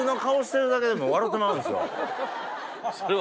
それは。